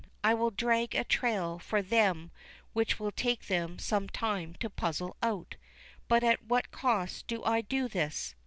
I will drag a trail for them which will take them some time to puzzle out.—But at what cost do I do this?"